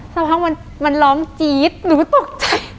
สักครั้งมันร้องจี๊ดหนูตกใจ